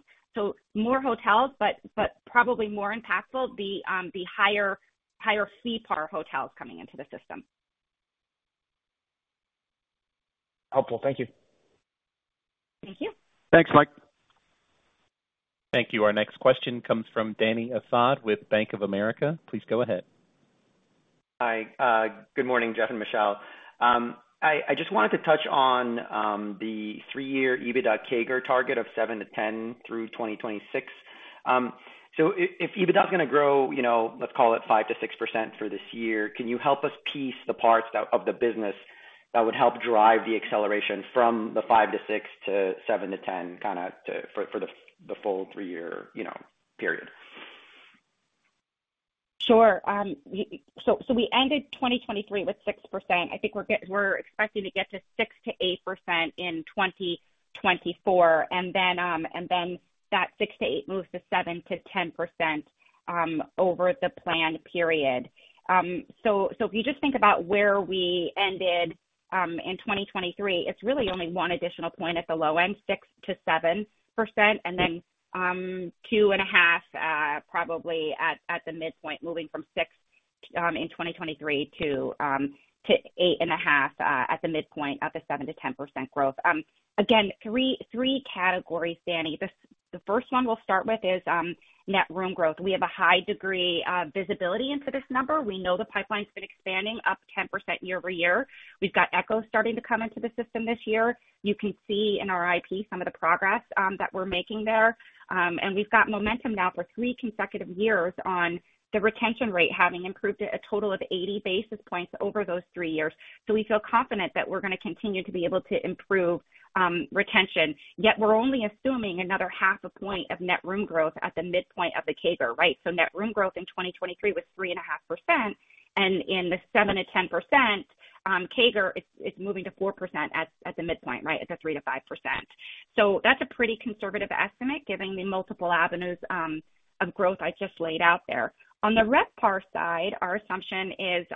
More hotels, but probably more impactful, the higher FeePAR hotels coming into the system. Helpful. Thank you. Thank you. Thanks, Mike. Thank you. Our next question comes from Dany Asad with Bank of America. Please go ahead. Hi. Good morning, Geoff and Michele. I just wanted to touch on the three-year EBITDA CAGR target of 7%-10% through 2026. So if EBITDA is going to grow, let's call it 5%-6% for this year, can you help us piece the parts of the business that would help drive the acceleration from the 5%-6% to 7%-10% kind of for the full three-year period? Sure. So we ended 2023 with 6%. I think we're expecting to get to 6%-8% in 2024. And then that 6%-8% moves to 7%-10% over the planned period. So if you just think about where we ended in 2023, it's really only one additional point at the low end, 6%-7%, and then 2.5 probably at the midpoint, moving from 6% in 2023 to 8.5% at the midpoint of the 7%-10% growth. Again, three categories, Danny. The first one we'll start with is net room growth. We have a high degree of visibility into this number. We know the pipeline's been expanding up 10% year-over-year. We've got Echo starting to come into the system this year. You can see in our IP some of the progress that we're making there. And we've got momentum now for three consecutive years on the retention rate having improved to a total of 80 basis points over those three years. So we feel confident that we're going to continue to be able to improve retention. Yet we're only assuming another 0.5 point of net room growth at the midpoint of the CAGR, right? So net room growth in 2023 was 3.5%. And in the 7%-10% CAGR is moving to 4% at the midpoint, right, at the 3%-5%. So that's a pretty conservative estimate, given the multiple avenues of growth I just laid out there. On the RevPAR side, our assumption is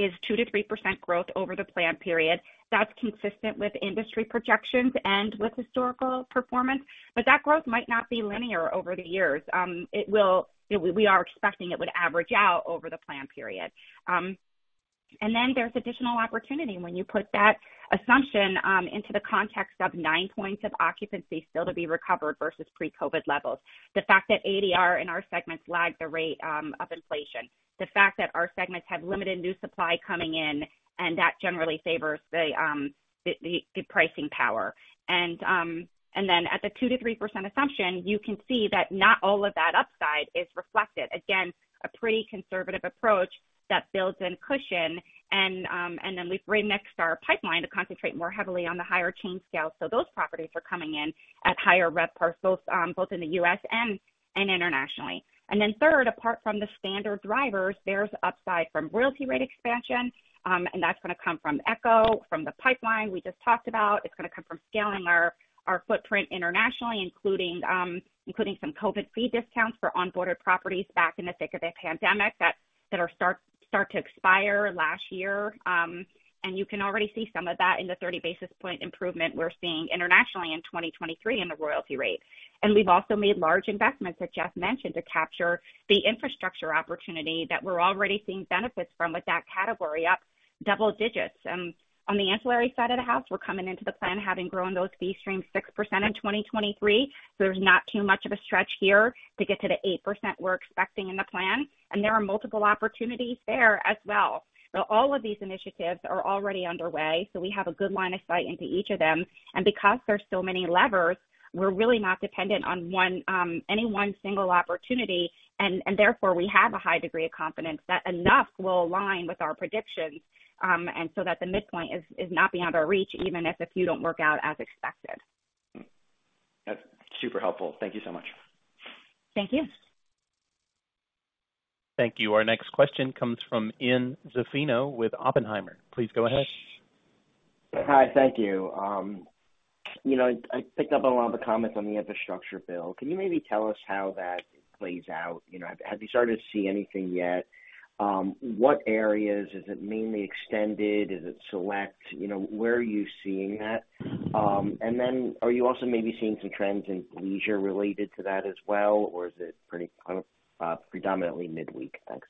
2%-3% growth over the planned period. That's consistent with industry projections and with historical performance. But that growth might not be linear over the years. We are expecting it would average out over the planned period. And then there's additional opportunity when you put that assumption into the context of 9 points of occupancy still to be recovered versus pre-COVID levels, the fact that ADR in our segments lagged the rate of inflation, the fact that our segments have limited new supply coming in, and that generally favors the pricing power. And then at the 2%-3% assumption, you can see that not all of that upside is reflected. Again, a pretty conservative approach that builds in cushion. And then we've remixed our pipeline to concentrate more heavily on the higher chain scale. So those properties are coming in at higher RevPARs, both in the U.S. and internationally. And then third, apart from the standard drivers, there's upside from royalty rate expansion. That's going to come from ECHO, from the pipeline we just talked about. It's going to come from scaling our footprint internationally, including some COVID fee discounts for onboarded properties back in the thick of the pandemic that start to expire last year. And you can already see some of that in the 30 basis point improvement we're seeing internationally in 2023 in the royalty rate. And we've also made large investments, as Geoff mentioned, to capture the infrastructure opportunity that we're already seeing benefits from with that category up double digits. On the ancillary side of the house, we're coming into the plan, having grown those fee streams 6% in 2023. So there's not too much of a stretch here to get to the 8% we're expecting in the plan. And there are multiple opportunities there as well. All of these initiatives are already underway. We have a good line of sight into each of them. Because there's so many levers, we're really not dependent on any one single opportunity. Therefore, we have a high degree of confidence that enough will align with our predictions and so that the midpoint is not beyond our reach, even if a few don't work out as expected. That's super helpful. Thank you so much. Thank you. Thank you. Our next question comes from Ian Zaffino with Oppenheimer. Please go ahead. Hi. Thank you. I picked up on a lot of the comments on the infrastructure bill. Can you maybe tell us how that plays out? Have you started to see anything yet? What areas? Is it mainly extended? Is it select? Where are you seeing that? And then are you also maybe seeing some trends in leisure related to that as well, or is it predominantly midweek? Thanks.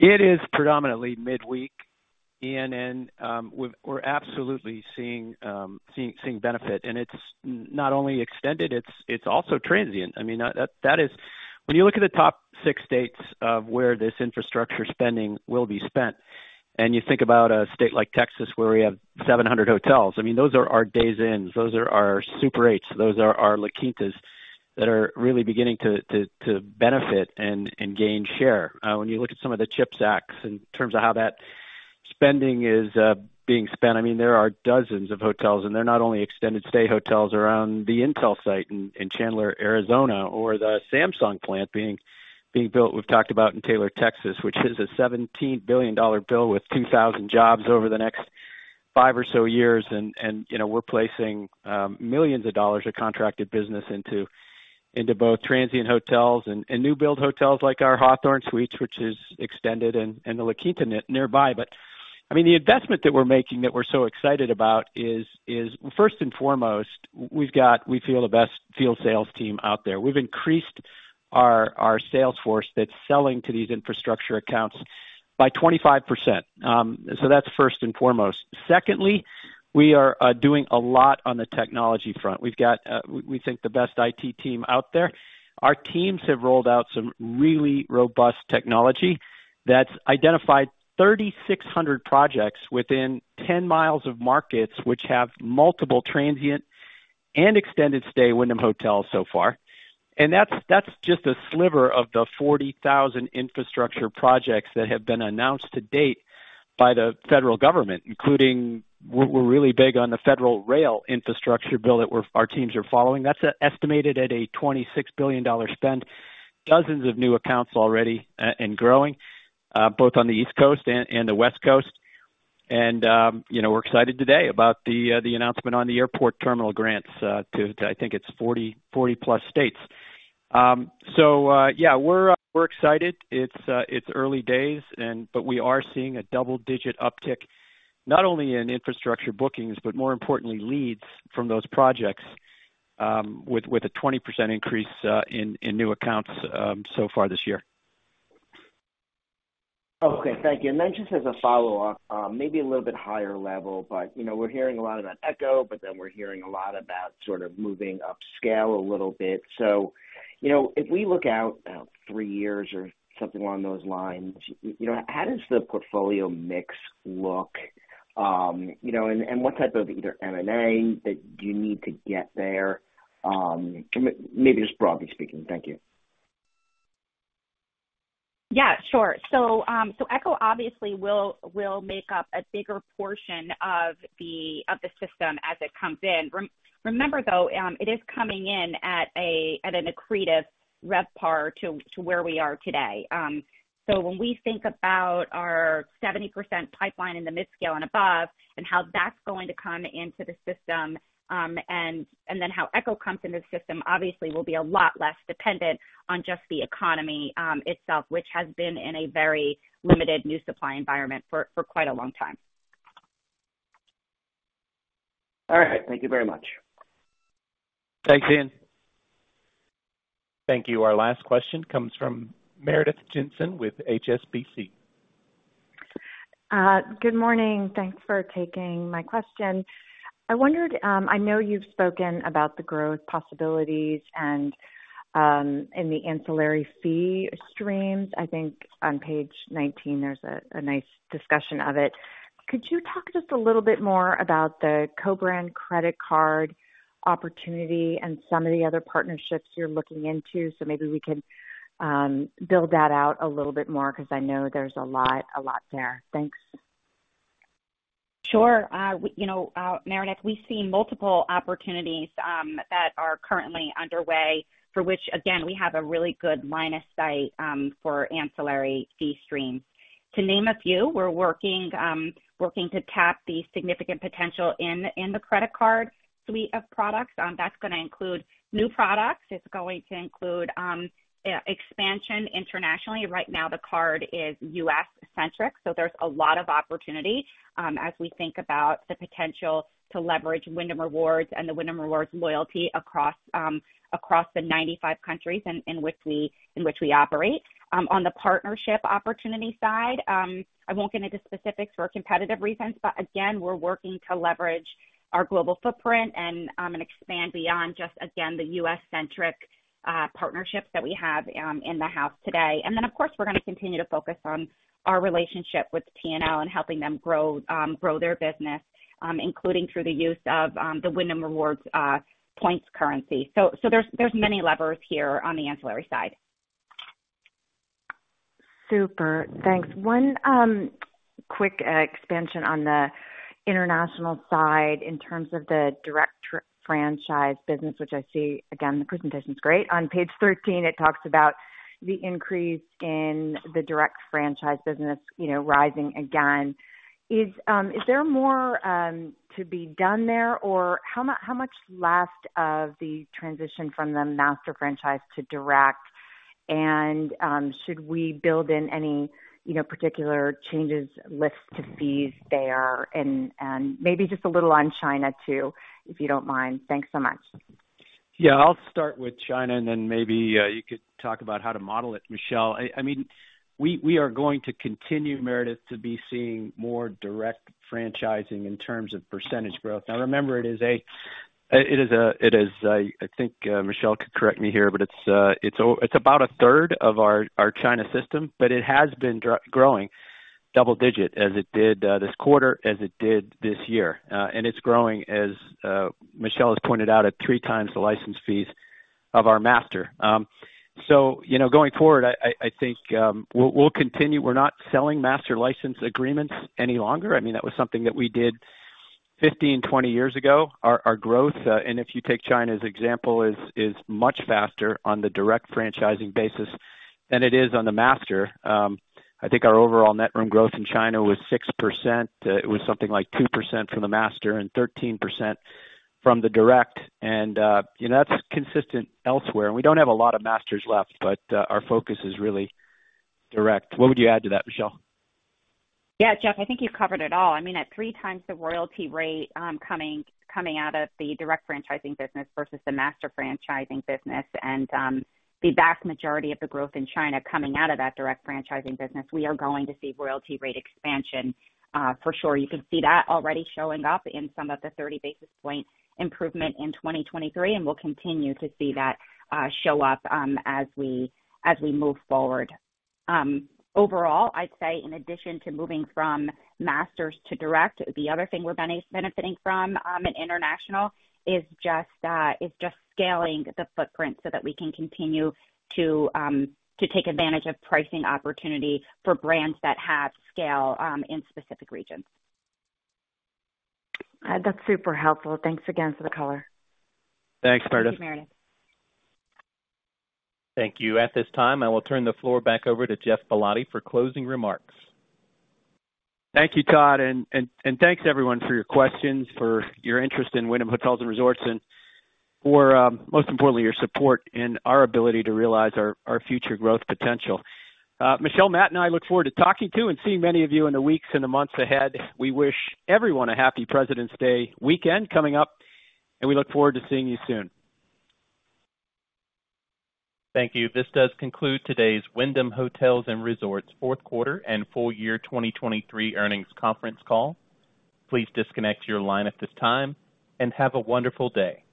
It is predominantly midweek. Ian, and we're absolutely seeing benefit. It's not only extended, it's also transient. I mean, when you look at the top 6 states of where this infrastructure spending will be spent, and you think about a state like Texas where we have 700 hotels, I mean, those are our Days Inns. Those are our Super 8s. Those are our La Quintas that are really beginning to benefit and gain share. When you look at some of the CHIPS Act in terms of how that spending is being spent, I mean, there are dozens of hotels. They're not only extended stay hotels around the Intel site in Chandler, Arizona, or the Samsung plant being built we've talked about in Taylor, Texas, which is a $17 billion bill with 2,000 jobs over the next 5 or so years. We're placing $ millions of contracted business into both transient hotels and new-build hotels like our Hawthorn Suites, which is extended, and the La Quinta nearby. But I mean, the investment that we're making that we're so excited about is, first and foremost, we feel the best field sales team out there. We've increased our sales force that's selling to these infrastructure accounts by 25%. So that's first and foremost. Secondly, we are doing a lot on the technology front. We think the best IT team out there. Our teams have rolled out some really robust technology that's identified 3,600 projects within 10 miles of markets, which have multiple transient and extended stay Wyndham hotels so far. That's just a sliver of the 40,000 infrastructure projects that have been announced to date by the federal government, including we're really big on the federal rail infrastructure bill that our teams are following. That's estimated at a $26 billion spend, dozens of new accounts already and growing, both on the East Coast and the West Coast. We're excited today about the announcement on the airport terminal grants to, I think it's 40+ states. So yeah, we're excited. It's early days, but we are seeing a double-digit uptick, not only in infrastructure bookings, but more importantly, leads from those projects with a 20% increase in new accounts so far this year. Okay. Thank you. And then just as a follow-up, maybe a little bit higher level, but we're hearing a lot about ECHO, but then we're hearing a lot about sort of moving upscale a little bit. So if we look out about three years or something along those lines, how does the portfolio mix look? And what type of either M&A that do you need to get there? Maybe just broadly speaking. Thank you. Yeah. Sure. So ECHO obviously will make up a bigger portion of the system as it comes in. Remember, though, it is coming in at an accretive RevPAR to where we are today. So when we think about our 70% pipeline in the midscale and above and how that's going to come into the system, and then how ECHO comes into the system, obviously, will be a lot less dependent on just the economy itself, which has been in a very limited new supply environment for quite a long time. All right. Thank you very much. Thanks, Ian. Thank you. Our last question comes from Meredith Jensen with HSBC. Good morning. Thanks for taking my question. I know you've spoken about the growth possibilities in the ancillary fee streams. I think on page 19, there's a nice discussion of it. Could you talk just a little bit more about the co-brand credit card opportunity and some of the other partnerships you're looking into? So maybe we can build that out a little bit more because I know there's a lot there. Thanks. Sure. Meredith, we've seen multiple opportunities that are currently underway for which, again, we have a really good line of sight for ancillary fee streams. To name a few, we're working to tap the significant potential in the credit card suite of products. That's going to include new products. It's going to include expansion internationally. Right now, the card is U.S.-centric. So there's a lot of opportunity as we think about the potential to leverage Wyndham Rewards and the Wyndham Rewards loyalty across the 95 countries in which we operate. On the partnership opportunity side, I won't get into specifics for competitive reasons, but again, we're working to leverage our global footprint and expand beyond just, again, the U.S.-centric partnerships that we have in the house today. And then, of course, we're going to continue to focus on our relationship with T&L and helping them grow their business, including through the use of the Wyndham Rewards points currency. So there's many levers here on the ancillary side. Super. Thanks. One quick expansion on the international side in terms of the direct franchise business, which I see, again, the presentation's great. On page 13, it talks about the increase in the direct franchise business rising again. Is there more to be done there, or how much left of the transition from the master franchise to direct? And should we build in any particular changes, lifts to fees there? And maybe just a little on China too, if you don't mind. Thanks so much. Yeah. I'll start with China, and then maybe you could talk about how to model it, Michele. I mean, we are going to continue, Meredith, to be seeing more direct franchising in terms of percentage growth. Now, remember, it is. I think Michele could correct me here, but it's about a third of our China system, but it has been growing double-digit as it did this quarter, as it did this year. And it's growing, as Michele has pointed out, at three times the license fees of our master. So going forward, I think we'll continue. We're not selling master license agreements any longer. I mean, that was something that we did 15, 20 years ago. Our growth, and if you take China as example, is much faster on the direct franchising basis than it is on the master. I think our overall Net Room Growth in China was 6%. It was something like 2% from the master and 13% from the direct. That's consistent elsewhere. We don't have a lot of masters left, but our focus is really direct. What would you add to that, Michele? Yeah, Geoff, I think you've covered it all. I mean, at 3 times the royalty rate coming out of the direct franchising business versus the master franchising business and the vast majority of the growth in China coming out of that direct franchising business, we are going to see royalty rate expansion for sure. You can see that already showing up in some of the 30 basis points improvement in 2023. We'll continue to see that show up as we move forward. Overall, I'd say in addition to moving from masters to direct, the other thing we're benefiting from in international is just scaling the footprint so that we can continue to take advantage of pricing opportunity for brands that have scale in specific regions. That's super helpful. Thanks again for the color. Thanks, Meredith. Thank you, Meredith. Thank you. At this time, I will turn the floor back over to Geoff Ballotti for closing remarks. Thank you, Todd. Thanks, everyone, for your questions, for your interest in Wyndham Hotels & Resorts, and most importantly, your support in our ability to realize our future growth potential. Michele, Matt, and I look forward to talking to and seeing many of you in the weeks and the months ahead. We wish everyone a happy President's Day weekend coming up, and we look forward to seeing you soon. Thank you. This does conclude today's Wyndham Hotels & Resorts fourth quarter and full year 2023 earnings conference call. Please disconnect your line at this time and have a wonderful day.